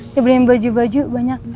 saya beliin baju baju banyak